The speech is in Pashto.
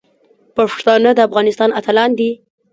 پښتانه د افغانستان اتلان دي.